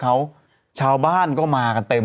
ดื่มน้ำก่อนสักนิดใช่ไหมคะคุณพี่